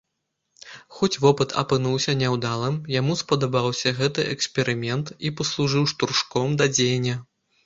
Хоць вопыт апынуўся няўдалым, яму спадабаўся гэты эксперымент і паслужыў штуршком да дзеяння.